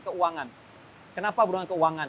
keuangan kenapa berhubungan keuangan